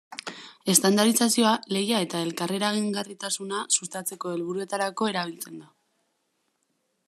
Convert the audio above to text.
Estandarizazioa lehia eta elkarreragingarritasuna sustatzeko helburuetarako erabiltzen da.